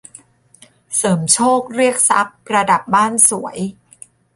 เสริมโชคเรียกทรัพย์ประดับบ้านสวย